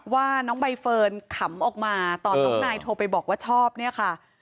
ว่าน้องใบเฟิร์นขำออกมาตอนน้องนายโทรไปบอกว่าชอบเนี่ยค่ะ